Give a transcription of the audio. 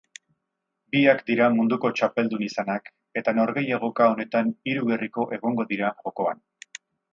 Biak dira munduko txapeldun izanak eta norgehiagoka honetan hiru gerriko egongo dira jokoan.